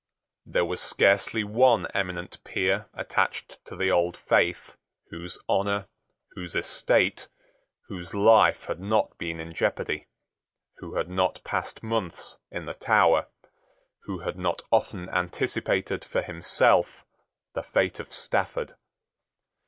There was scarcely one eminent peer attached to the old faith whose honour, whose estate, whose life had not been in jeopardy, who had not passed months in the Tower, who had not often anticipated for himself the fate of Stafford.